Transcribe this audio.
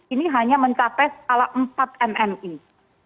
ini hanya mencapai skala empat mm ii